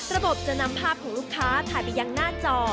ระบบจะนำภาพของลูกค้าถ่ายไปยังหน้าจอ